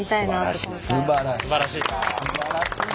すばらしい。